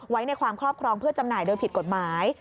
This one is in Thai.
ไว้ในความครอบครองเพื่อจำหน่ายโดยผิดกฎหมาย